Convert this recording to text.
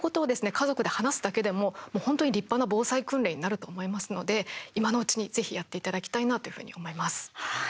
家族で話すだけでも本当に立派な防災訓練になると思いますので今のうちにぜひやっていただきたいなというふうに思います。